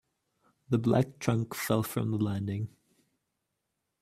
The black trunk fell from the landing.